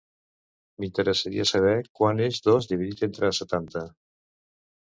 M'interessaria saber quant és dos dividit entre setanta.